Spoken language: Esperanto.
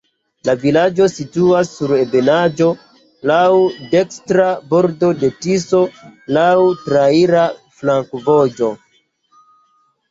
La vilaĝo situas sur ebenaĵo, laŭ dekstra bordo de Tiso, laŭ traira flankovojo.